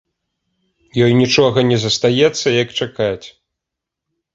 Ёй нічога не застаецца, як чакаць.